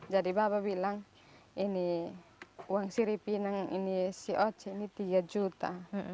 jadi baba bilang ini uang sirih pinal ini si ocho ini tiga juta